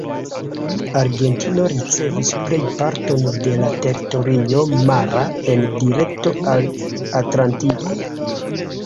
Argentino ricevis plej parton de la teritorio mara en direkto al Atlantiko.